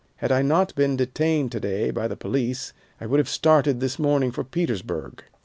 Had I not been detained to day by the police I would have started this morning for Petersburg."